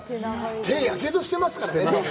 手、やけどしてますからね。